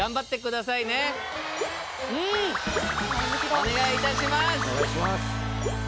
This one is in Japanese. お願いいたします！